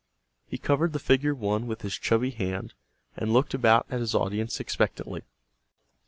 He covered the figure 1 with his chubby hand and looked about at his audience expectantly.